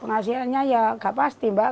penghasilannya ya gak pasti mbak